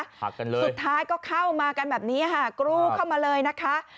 ผักกันเลยสุดท้ายก็เข้ามากันแบบนี้ค่ะกรูเข้ามาเลยนะคะ